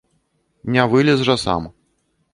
Не вылез жа сам?